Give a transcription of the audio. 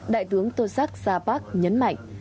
đại tướng tô sắc sa park nhấn mạnh